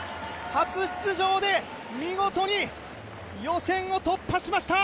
初出場で見事に予選を突破しました。